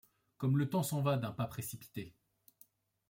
Comme le temps s'en va d'un pas précipité !